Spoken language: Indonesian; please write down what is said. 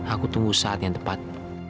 aku tunggu saat yang tepat